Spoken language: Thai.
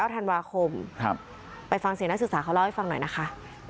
ธันวาคมไปฟังเสียงนักศึกษาเขาเล่าให้ฟังหน่อยนะคะ